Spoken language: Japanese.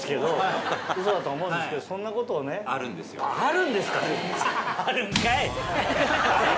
あるんですか！